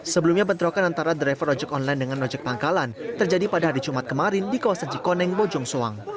sebelumnya bentrokan antara driver ojek online dengan ojek pangkalan terjadi pada hari jumat kemarin di kawasan cikoneng bojongsoang